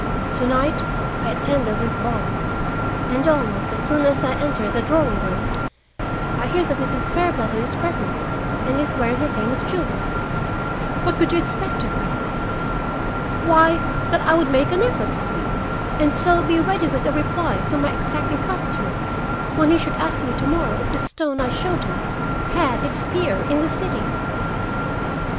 Tonight I attended this ball, and almost as soon as I enter the drawing room I hear that Mrs. Fairbrother is present and is wearing her famous jewel. What could you expect of me? Why, that I would make an effort to see it and so be ready with a reply to my exacting customer when he should ask me to morrow if the stone I showed him had its peer in the city.